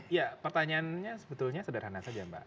ya pertanyaannya sebetulnya sederhana saja mbak